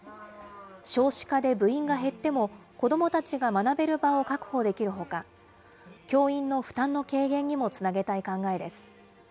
少子化で部員が減っても子どもたちが学べる場を確保できるほか、教員の負担の軽減にもつなげたい考えです。